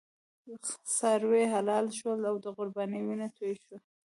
څاروي حلال شول او د قربانۍ وینه توی شوه.